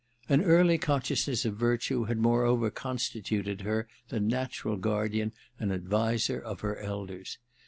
An early consciousness of virtue had moreover constituted her the natural guardian and adviser of her elders.